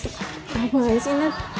kenapa sih nan